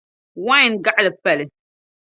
wain gaɣili pali.